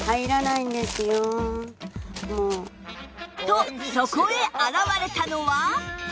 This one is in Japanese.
とそこへ現れたのは